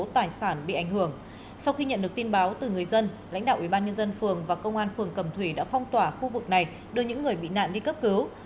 tạ thị hồng đã phong tỏa khu vực này đưa những người bị nạn đi cấp cứu